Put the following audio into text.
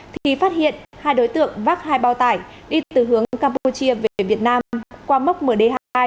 thì phát hiện hai đối tượng vác hai bao tải đi từ hướng campuchia về việt nam qua mốc md hai